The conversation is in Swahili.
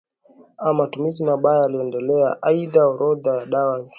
na matumizi mabaya uliendelea Aidha orodha ya dawa za zilizotumika vibaya